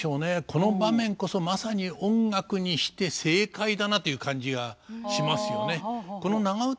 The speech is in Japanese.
この場面こそまさに音楽にして正解だなという感じがしますよね。